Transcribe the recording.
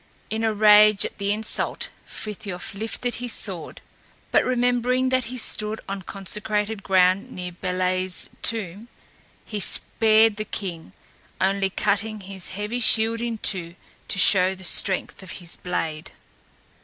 In a rage at the insult Frithiof lifted his sword; but remembering that he stood on consecrated ground near Bélé's tomb, he spared the king, only cutting his heavy shield in two to show the strength of his blade.